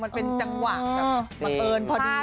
มันเป็นจังหวังที่มาเกินพอดี